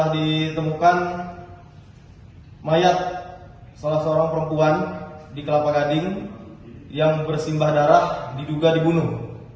ditemukan mayat salah seorang perempuan di kelapa gading yang bersimbah darah diduga dibunuh